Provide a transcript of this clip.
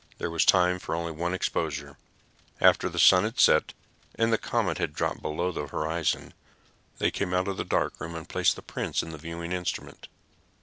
There was time for only one exposure. After the sun had set, and the comet had dropped below the horizon, they came out of the darkroom and placed the prints in the viewing instrument.